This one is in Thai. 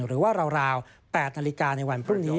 หรือว่าราว๘นาฬิกาในวันพรุ่งนี้